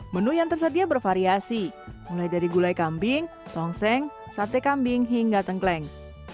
menu yang tersedia bervariasi mulai dari gulai kambing tongseng sate kambing hingga tengkleng